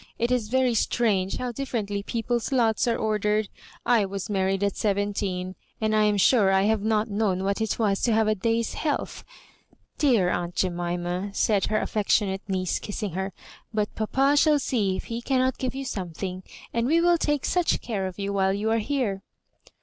It is very strange how diflFerently people's lots are ordered. I was married at seventeen, and I am sure I have not known what it was to have a day's health " "Dear aunt Jemima 1" said her affectionate niece, kissing her, "but papa shall see if he cannot give you something, and we will take 'such care of you whil*.you are here."